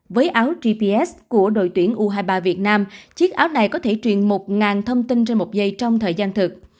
với áo gps của đội tuyển u hai mươi ba việt nam chiếc áo này có thể truyền một thông tin trên một giây trong thời gian thực